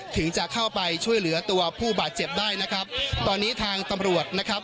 ถึงจะเข้าไปช่วยเหลือตัวผู้บาดเจ็บได้นะครับตอนนี้ทางตำรวจนะครับ